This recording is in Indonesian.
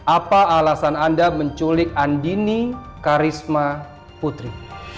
apa alasan anda menculik andini karisma putri